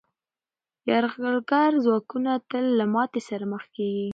یرغلګر ځواکونه تل له ماتې سره مخ کېږي.